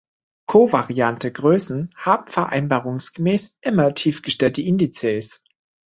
Kovariante Größen haben vereinbarungsgemäß immer tiefgestellte Indizes.